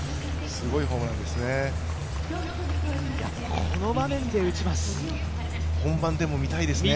すごいホームランですね。